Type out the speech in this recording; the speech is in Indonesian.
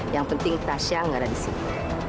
yang penting tasya nggak ada di sini